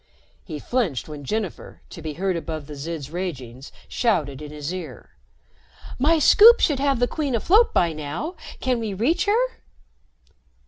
He flinched when Jennifer, to be heard above the Zid's ragings, shouted in his ear: "My Scoop should have the Queen afloat by now. Can we reach her?"